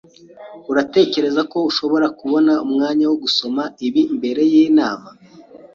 Uratekereza ko ushobora kubona umwanya wo gusoma ibi mbere yinama?